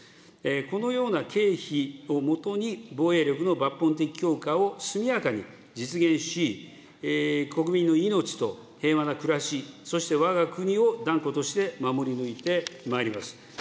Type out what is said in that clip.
このような経費をもとに、防衛力の抜本的強化を速やかに実現し、国民の命と平和な暮らし、そして、わが国を断固として守り抜いてまいります。